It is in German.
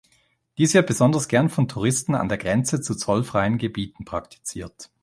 Dies wird besonders gern von Touristen an der Grenze zu zollfreien Gebieten praktiziert.